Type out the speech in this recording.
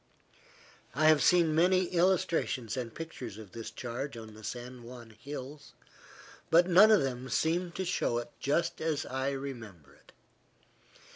I have seen many illustrations and pictures of this charge on the San Juan hills, but none of them seem to show it just as I remember it.